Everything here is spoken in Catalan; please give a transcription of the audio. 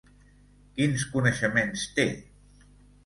Quins coneixements té?